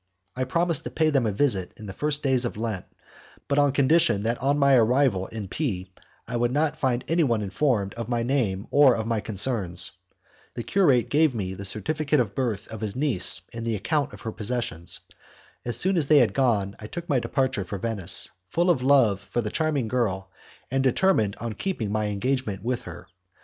I promised to pay them a visit in the first days of Lent, but on condition that on my arrival in P I would not find anyone informed of my name or of my concerns. The curate gave me the certificate of birth of his niece and the account of her possessions. As soon as they had gone I took my departure for Venice, full of love for the charming girl, and determined on keeping my engagement with her.